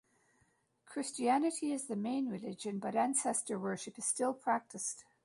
Christianity is the main religion, but ancestor worship is still practised.